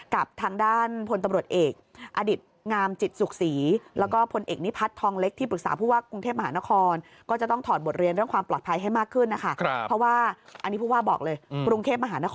กับทางด้านท